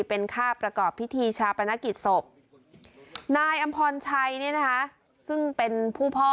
เป็นค่าประกอบพิธีชาปนกิจศพนายอำพรชัยเนี่ยนะคะซึ่งเป็นผู้พ่อ